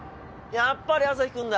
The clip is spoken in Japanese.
やっぱりアサヒくんだ！